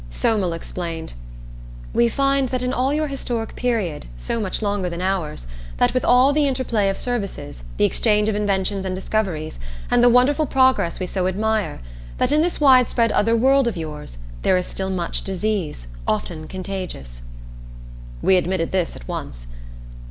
Somel explained: "We find that in all your historic period, so much longer than ours, that with all the interplay of services, the exchange of inventions and discoveries, and the wonderful progress we so admire, that in this widespread Other World of yours, there is still much disease, often contagious." We admitted this at once.